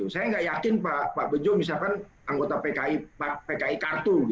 saya nggak yakin pak bejo misalkan anggota pki kartu